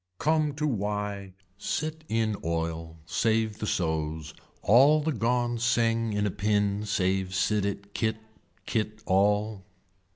Come to why, sit in oil save the sos, all the gone sing in a pin save sit it kit, kit all.